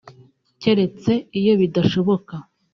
keretse iyo bidashoboka